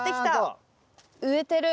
植えてる。